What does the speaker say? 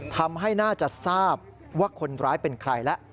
ทำให้น่าจะทราบว่าคนร้ายเป็นใครแล้ว